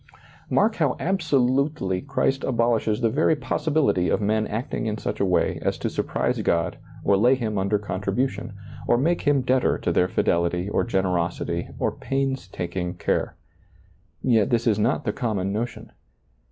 Mark how absolutely Christ abolishes the very possibility of men acting in such a way as to sur prise God or lay Him under contribution, or make Him debtor to their fidelity or generosity or pains taking care. Yet this is not the com mon notion.